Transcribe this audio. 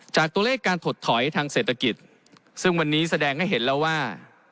ตัวเลขการถดถอยทางเศรษฐกิจซึ่งวันนี้แสดงให้เห็นแล้วว่า